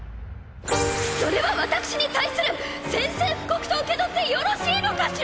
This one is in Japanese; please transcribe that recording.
それは私に対する宣戦布告と受け取ってよろしいのかしら